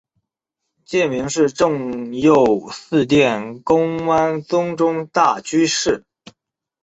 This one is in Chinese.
戒名是政秀寺殿功庵宗忠大居士。